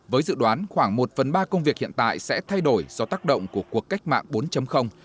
với dự đoán khoảng một phần ba công việc hiện tại sẽ thay đổi do tác động của cuộc cách mạng bốn